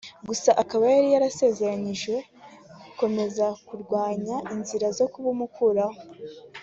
gusa akaba yari yarasezeranyije gukomeza kurwanya inzira zo kubumukuraho